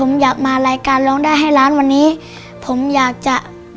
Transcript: ผมอยากมารายการร้องได้ให้ล้านวันนี้ผมอยากจะ